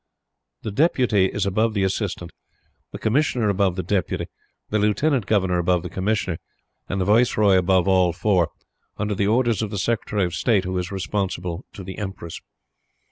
The Deputy is above the Assistant, the Commissioner above the Deputy, the Lieutenant Governor above the Commissioner, and the Viceroy above all four, under the orders of the Secretary of State, who is responsible to the Empress.